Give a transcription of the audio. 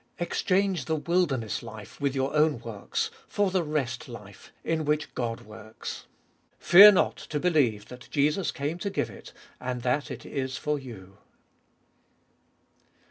Exchange the wilderness life with your own works for the rest life in which God works. Fear not to believe that Jesus came to give it, and that it is for you.